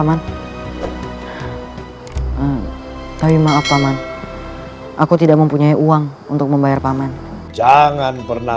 hai tapi maaf paman aku tidak mempunyai uang untuk membayar paman jangan pernah